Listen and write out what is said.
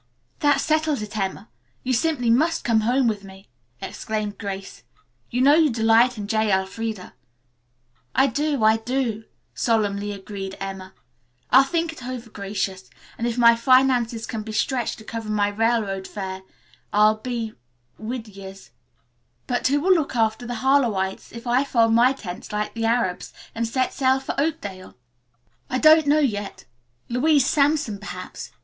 "That settles it, Emma, you simply must come home with me!" exclaimed Grace. "You know you delight in J. Elfreda." "I do, I do," solemnly agreed Emma. "I'll think it over, Gracious, and if my finances can be stretched to cover my railroad fare I'll be 'wid yez.' But who will look after the Harlowites if I fold my tents like the Arabs and set sail for Oakdale?" "I don't know yet. Louise Sampson, perhaps.